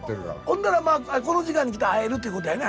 ほんだらまあこの時間に来たら会えるっていうことやな？